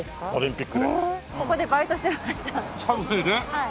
はい。